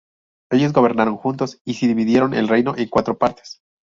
Ellos gobernaron juntos y se dividieron el reino en cuatro partes.